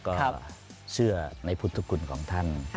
ก็เชื่อในพุทธคุณของท่าน